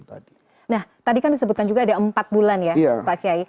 nah tadi kan disebutkan juga ada empat bulan ya pak kiai